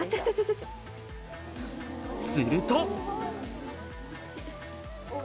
すると！